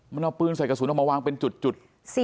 มันเอาปืนใส่กระสุนออกมาวางเป็นจุด